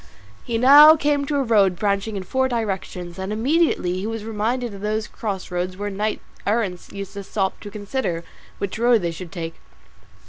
He now came to a road branching in four directions, and immediately he was reminded of those cross roads where knights errant used to stop to consider which road they should take.